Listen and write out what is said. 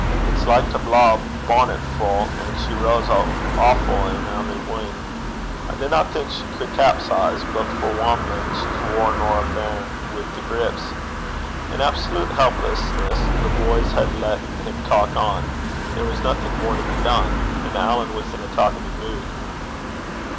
It's like to blaw a bonnetfu', and she rows awfu' in ony win'. I dinna think she cud capsize, but for wamlin' she's waur nor a bairn with the grips.' In absolute helplessness, the boys had let him talk on: there was nothing more to be done; and Alan was in a talkative mood.